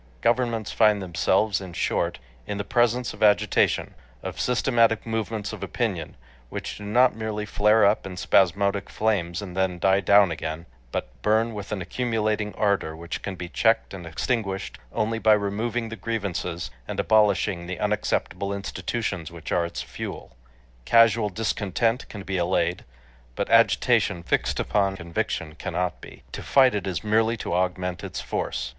Governments find themselves, in short, in the presence of Agitation, of systematic movements of opinion, which do not merely flare up in spasmodic flames and then die down again, but burn with an accumulating ardor which can be checked and extinguished only by removing the grievances, and abolishing the unacceptable institutions which are its fuel. Casual discontent can be allayed, but agitation fixed upon conviction cannot be. To fight it is merely to augment its force.